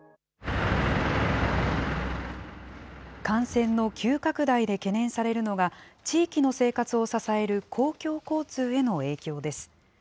感染の急拡大で懸念されるのが、地域の生活を支える公共交通への影響です。